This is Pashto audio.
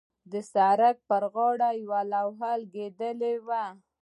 د سړک پر غاړې یوه لوحه لګېدلې وه.